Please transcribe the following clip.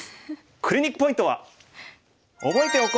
クリニックポイントは。